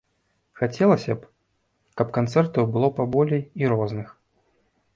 Хацелася б, каб канцэртаў было паболей і розных.